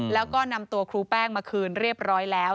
แล้วก็นำตัวครูแป้งมาคืนเรียบร้อยแล้ว